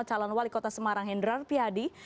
calon wali kota semarang hendrar piadi